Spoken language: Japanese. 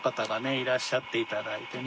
いらっしゃって頂いてね。